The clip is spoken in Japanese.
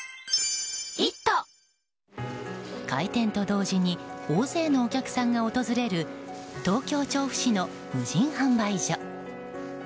開店と同時に大勢のお客さんが訪れる東京・調布市の無人販売所。